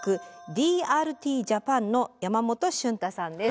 ＤＲＴＪＡＰＡＮの山本俊太さんです。